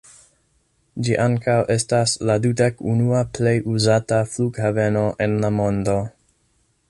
Ĝi ankaŭ estas la dek-unua plej uzata flughaveno en la mondo.